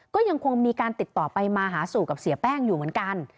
ก็ยังคงมีการติดต่อไปมาหาสู่กับเสียแป้งอยู่เหมือนกัน